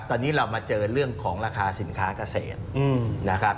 ตอนนี้เรามาเจอเรื่องของราคาสินค้าเกษตรนะครับ